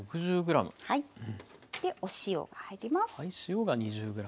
でお塩が入ります。